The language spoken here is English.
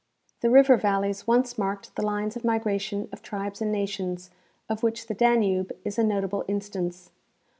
The river valleys once marked the lines of migration of tribes and nations, of which the Danube is a notable instance.